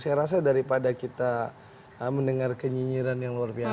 saya rasa daripada kita mencari yang lainnya ya